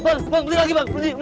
udah beli lagi bang